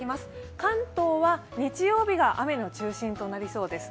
関東は日曜日が雨の中心となりそうです。